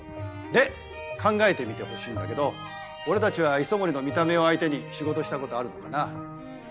で考えてみてほしいんだけど俺たちは磯森の見た目を相手に仕事したことあるのかな？